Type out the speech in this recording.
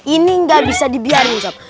ini gak bisa dibiarin sob